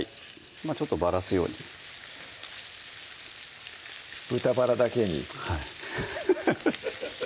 ちょっとばらすように豚バラだけにはいハハハ